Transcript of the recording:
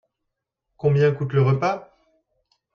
Combien coûte le repas ?